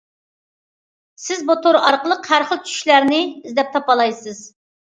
سىز بۇ تور ئارقىلىق ھەر خىل چۈشلەرنى ئىزدەپ تاپالايسىز.